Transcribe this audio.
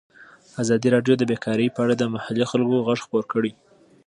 ازادي راډیو د بیکاري په اړه د محلي خلکو غږ خپور کړی.